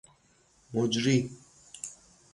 مجری